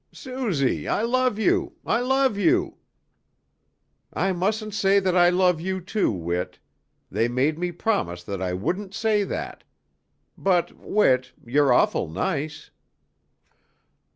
"Suzy, I love you, I love you!" "I mustn't say that I love you too, Whit. They made me promise that I wouldn't say that. But Whit, you're awful nice."